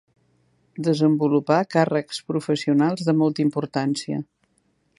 Desenvolupà càrrecs professionals de molta importància.